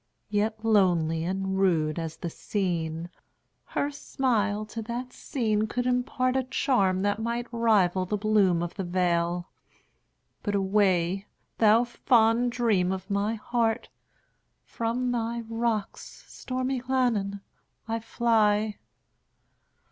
Yet lonely and rude as the scene, Her smile to that scene could impartA charm that might rival the bloom of the vale,—But away, thou fond dream of my heart! From thy rocks, stormy Llannon, I fly.